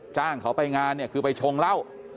จ้างเขาไปงานเนี่ยคือไปชงเหล้า